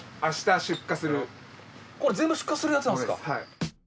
これ全部出荷するやつなんですか。